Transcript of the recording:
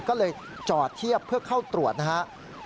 ก็เลยจอดเทียบเพื่อเข้าตรวจนะครับ